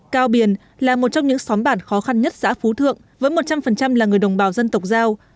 cao biển là một trong những xóm bản khó khăn nhất xã phú thượng với một trăm linh là người đồng bào dân tộc giao